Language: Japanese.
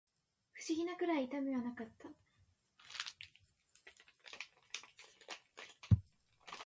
不思議なくらい痛みはなかった